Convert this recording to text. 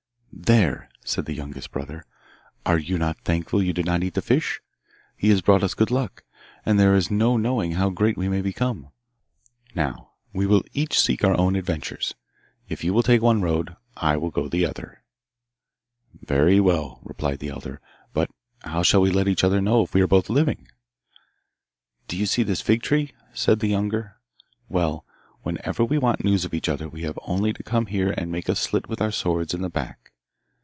'There!' said the younger brother. 'Are you not thankful you did not eat that fish? He has brought us good luck, and there is no knowing how great we may become! Now, we will each seek our own adventures. If you will take one road I will go the other.' 'Very well,' replied the elder; 'but how shall we let each other know if we are both living?' 'Do you see this fig tree?' said the younger. 'Well, whenever we want news of each other we have only to come here and make a slit with our swords in the back.